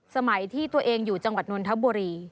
สมัยที่ตัวเองอยู่จังหวัดนนทบุรี